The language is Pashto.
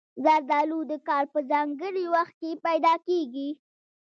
زردالو د کال په ځانګړي وخت کې پیدا کېږي.